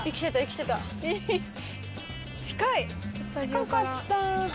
近かった。